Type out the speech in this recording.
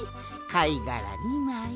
かいがら２まい。